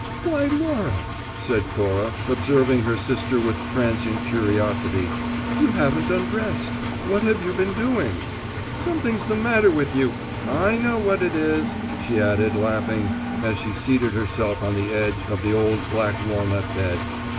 "Why, Laura," said Cora, observing her sister with transient curiosity, "you haven't undressed. What have you been doing? Something's the matter with you. I know what it is," she added, laughing, as she seated herself on the edge of the old black walnut bed.